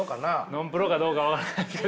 ノンプロかどうか分からんけど。